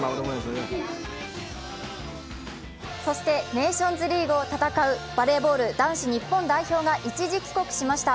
ネーションズリーグを戦うバレーボール男子日本代表が一時帰国しました。